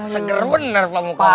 seger bener pak mukawa